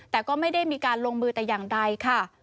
แต่ก็ไม่ได้มีการลงมือแต่อย่างใดค่ะ